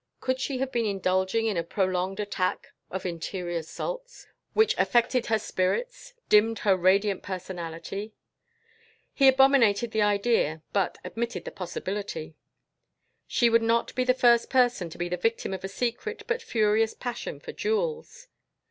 Could she have been indulging in a prolonged attack of interior sulks, which affected her spirits, dimmed her radiant personality? He abominated the idea but admitted the possibility. She would not be the first person to be the victim of a secret but furious passion for jewels.